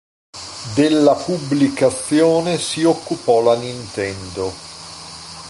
Della pubblicazione si occupò la Nintendo.